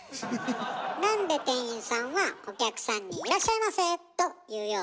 なんで店員さんはお客さんに「いらっしゃいませ」と言うようになったの？